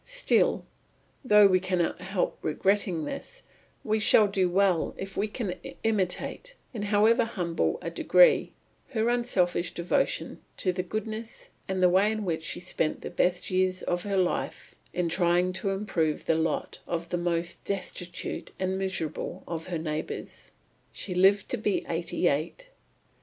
Still, though we cannot help regretting this, we shall do well if we can imitate, in however humble a degree, her unselfish devotion to goodness and the way in which she spent the best years of her life in trying to improve the lot of the most destitute and miserable of her neighbours. She lived to be eighty eight.